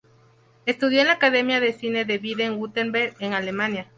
Estudió en la Academia de Cine de Baden-Württemberg, en Alemania.